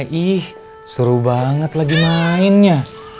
iiih seru banget lagi maain ya